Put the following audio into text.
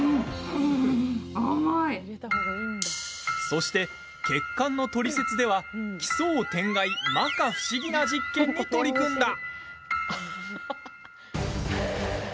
そして血管のトリセツでは奇想天外、まか不思議な実験に取り組んだ。